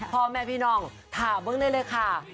พ่อแม่พี่น้องถามเบิ้งได้เลยค่ะ